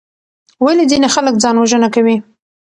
ولې ځینې خلک ځان وژنه کوي؟